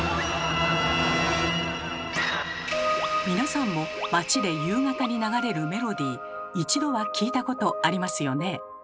皆さんも街で夕方に流れるメロディー一度は聴いたことありますよね。